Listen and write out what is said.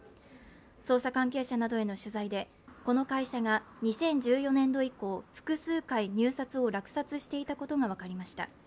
捜査関係者などへの取材で、この会社が２０１４年度以降、複数回入札を落札していたことが分かりました。